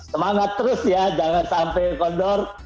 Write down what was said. semangat terus ya jangan sampai kondor